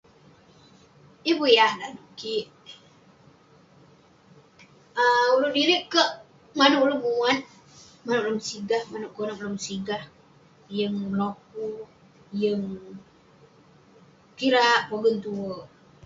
Yeng pun yah nanouk kik, um ulouk sedirik kerk manouk ulouk muat, manouk ulouk mesigah, manouk konep ulouk mesigah, yeng meloku..yeng..kirak pogen tuerk..